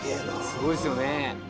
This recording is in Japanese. すごいっすよね。